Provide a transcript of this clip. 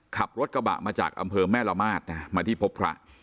ขับรถกระบะมาจากอำเภอแม่ละมาดนะมาที่พบพระ